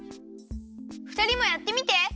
ふたりもやってみて。